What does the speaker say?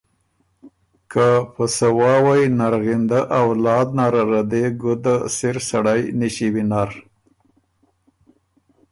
که په سواوئ نرغِندۀ اولاد نره ره دې ګُده سِر سړئ نِݭی وینر